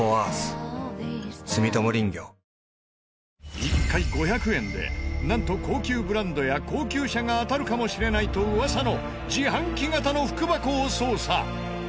１回５００円でなんと高級ブランドや高級車が当たるかもしれないと噂の自販機型の福箱を捜査！